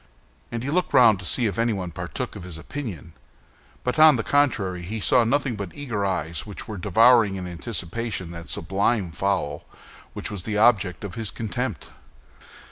And he looked round to see if anybody partook of his opinion; but on the contrary, he saw nothing but eager eyes which were devouring, in anticipation, that sublime fowl which was the object of his contempt.